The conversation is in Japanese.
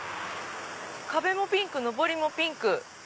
壁もピンクのぼりもピンク。